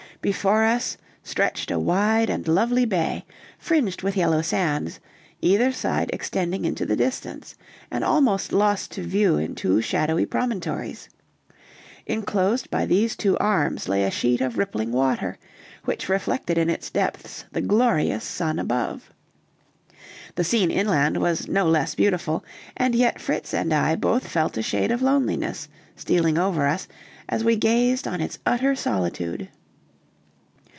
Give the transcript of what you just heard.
Before us stretched a wide and lovely bay, fringed with yellow sands, either side extending into the distance, and almost lost to view in two shadowy promontories; inclosed by these two arms lay a sheet of rippling water, which reflected in its depths the glorious sun above. The scene inland was no less beautiful; and yet Fritz and I both felt a shade of loneliness stealing over us as we gazed on its utter solitude.